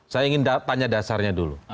saya ingin tanya dasarnya dulu